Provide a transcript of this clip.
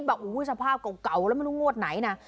สภาพเก่าแล้วไม่รู้งวดไหนนะ